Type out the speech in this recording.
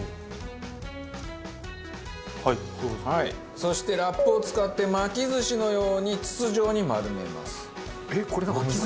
そしてラップを使って巻き寿司のように筒状に丸めます。